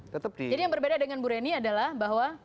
jadi yang berbeda dengan bureni adalah bahwa